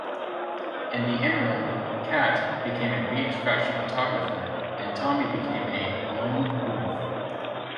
In the interim, "Cat" became a beach-fashion photographer, and Tommy became a "lone wolf".